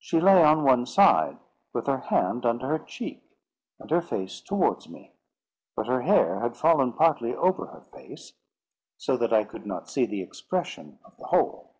She lay on one side, with her hand under her cheek, and her face towards me; but her hair had fallen partly over her face, so that I could not see the expression of the whole.